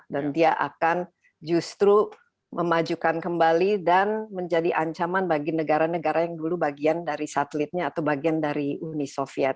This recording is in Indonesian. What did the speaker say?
dan dia akan justru memajukan kembali dan menjadi ancaman bagi negara negara yang dulu bagian dari satelitnya atau bagian dari uni soviet